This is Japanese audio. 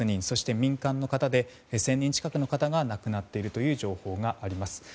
そして民間の方で１０００人近くの方が亡くなっているという情報があります。